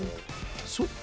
そっか。